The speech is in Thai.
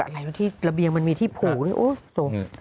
อร่อยว่าที่ระเบียงมันมีที่ผูกนี่โอ้วสม